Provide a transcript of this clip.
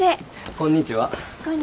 こんにちは。